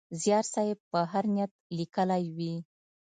زیار صېب په هر نیت لیکلی وي.